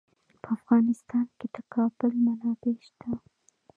په افغانستان کې د کابل منابع شته.